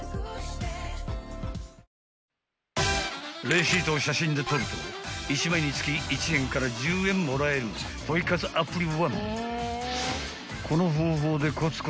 ［レシートを写真で撮ると１枚につき１円から１０円もらえるポイ活アプリＯＮＥ］